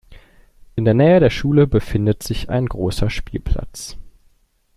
In der Nähe der Schule befindet sich ein großer Spielplatz.